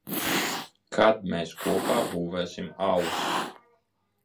Kad mēs kopā būvēsim alas?